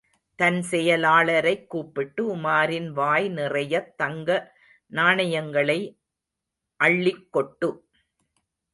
தன் செயலாளரைக் கூப்பிட்டு, உமாரின் வாய் நிறையத் தங்க நாணயங்களை அள்ளிக் கொட்டு.